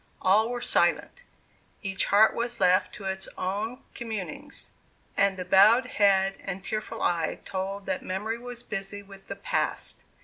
All were silent each heart was left to its own communings, and the bowed head and tearful eye told that memory was busy with the Past.